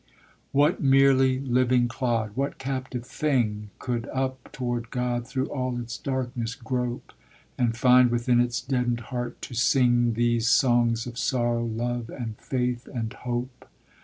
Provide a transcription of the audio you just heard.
What merely living clod, what captive thing, Could up toward God through all its darkness grope, And find within its deadened heart to sing These songs of sorrow, love, and faith, and hope?